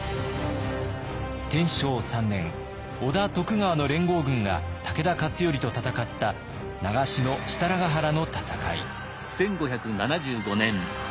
天正３年織田徳川の連合軍が武田勝頼と戦った長篠・設楽原の戦い。